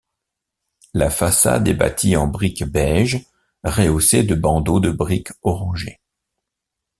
La façade est bâtie en briques beiges rehaussées de bandeaux de briques orangées.